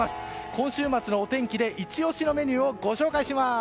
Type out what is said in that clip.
今週末のお天気でイチ押しのメニューをご紹介します！